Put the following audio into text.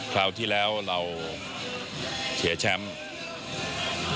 คราวที่แล้วเราเสียแชมป์